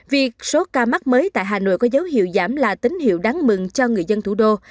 việc số ca mắc mới tại hà nội có dấu hiệu giảm là tín hiệu đáng mừng cho người dân thủ đô